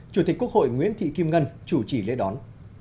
chủ tịch quốc hội nguyễn thị kim ngân chủ trì lễ đón